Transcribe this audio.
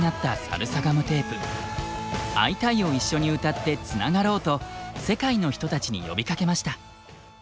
「アイタイ！」を一緒に歌ってつながろうと世界の人たちに呼びかけました。